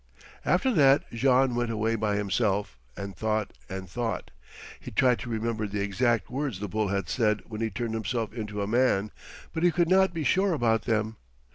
After that Jean went away by himself and thought and thought. He tried to remember the exact words the bull had said when he turned himself into a man, but he could not be sure about them.